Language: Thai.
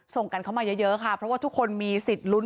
ส่งกันเข้ามาเยอะค่ะเพราะว่าทุกคนมีสิทธิ์ลุ้น